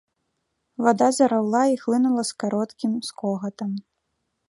Вада зараўла і хлынула з кароткім скогатам.